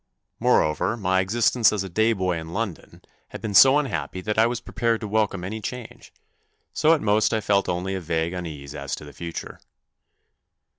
Moreover, my existence as a day boy in London had been so unhappy that I was prepared to welcome any change, so at most I felt only a vague unease as to the future.